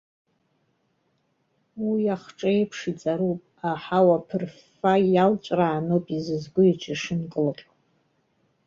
Уи ахҿеиԥш иҵаруп, аҳауа ԥырффа, иалҵәрааноуп изызку иҿы ишынкылҟьо.